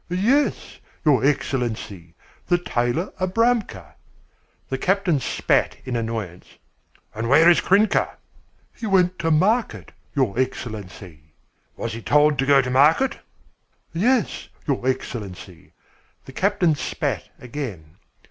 "Yes, your Excellency, the tailor Abramka." The captain spat in annoyance. "And where is Krynka?" "He went to market, your Excellency." "Was he told to go to market?" "Yes, your Excellency." The captain spat again.